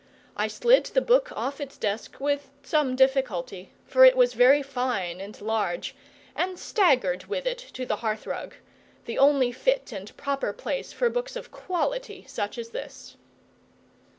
I slid the book off its desk with some difficulty, for it was very fine and large, and staggered with it to the hearthrug the only fit and proper place for books of quality, such as this.